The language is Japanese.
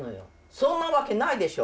そんな訳ないでしょ！